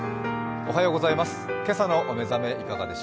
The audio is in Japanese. おはようございます。